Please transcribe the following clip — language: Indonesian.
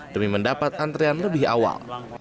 demi mendapat antrian lebih awal